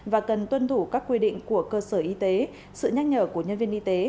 và cần tuân thủ các quy định của cơ sở y tế sự nhắc nhở của nhân viên y tế